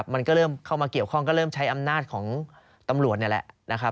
มันก็เริ่มเข้ามาเกี่ยวข้องก็เริ่มใช้อำนาจของตำรวจนี่แหละนะครับ